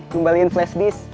kembaliin flash disk